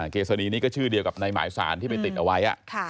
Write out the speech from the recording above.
เกษณีนี้ก็ชื่อเดียวกับในหมายสารที่ไปติดเอาไว้